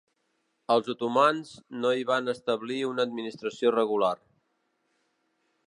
Els otomans no hi van establir una administració regular.